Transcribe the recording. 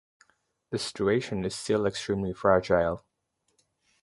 The situation is still extremely fragile...